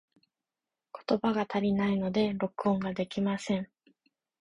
言葉が足りないので、録音ができません。